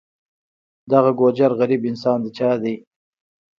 دغه ګوجر غریب انسان د چا دی.